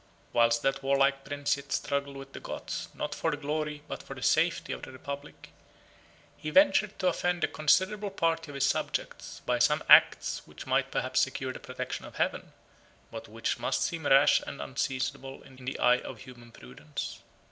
Whilst that warlike prince yet struggled with the Goths, not for the glory, but for the safety, of the republic, he ventured to offend a considerable party of his subjects, by some acts which might perhaps secure the protection of Heaven, but which must seem rash and unseasonable in the eye of human prudence.